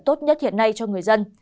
tốt nhất hiện nay cho người dân